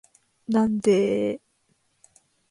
なんでーーー